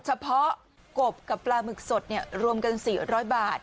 เฉพาะกบกับปลาหมึกสดเนี่ยรวมกันสี่ร้อยบาท